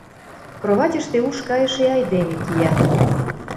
Кроватьыште уш кайыше айдеме кия.